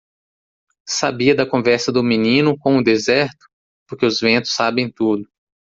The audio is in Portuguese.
Sabia da conversa do menino com o deserto? porque os ventos sabem tudo.